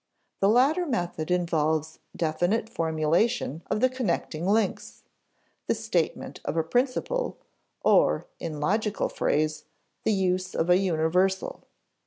The latter method involves definite formulation of the connecting links; the statement of a principle, or, in logical phrase, the use of a universal.